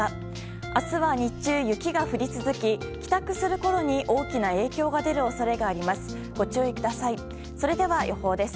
明日は日中、雪が降り続き帰宅するころに大きな影響が出る恐れがあります。